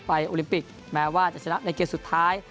โอลิมปิกแม้ว่าจะชนะในเกมสุดท้าย